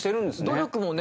努力もね。